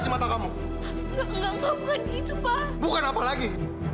ya padahal dayanya lya udah ngelanggar janji